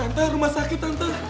tante rumah sakit